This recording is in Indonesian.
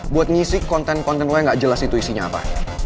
buat ngisi konten konten gue yang gak jelas itu isinya apa